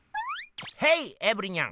ヘイエブリニャン！